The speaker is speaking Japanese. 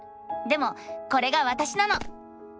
でもこれがわたしなの！